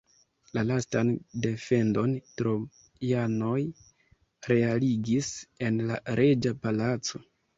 La lastan defendon trojanoj realigis en la reĝa palaco.